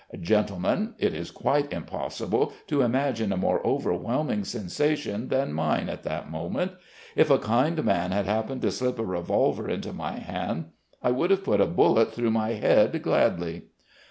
Gentlemen, it is quite impossible to imagine a more overwhelming sensation than mine at that moment! If a kind man had happened to slip a revolver into my hand I would have put a bullet through my head gladly.